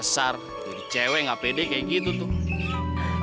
pasar jadi cewek gak pede kayak gitu tuh